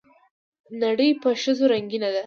نړۍ په ښځو رنګينه ده